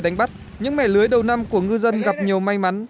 đánh bắt những mẻ lưới đầu năm của ngư dân gặp nhiều may mắn